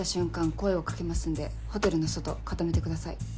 声を掛けますんでホテルの外固めてください。